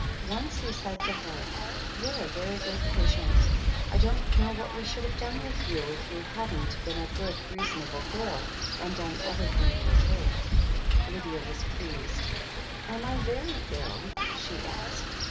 Once he said to her : "You're a very good patient. I don't know what we should have done with you if you hadn't been a good, reasonable girl, and done everything you were told" u tti 44 THE HEEL OF ACHILLES Lydia was pleased. 'Am I very ill?" she asked.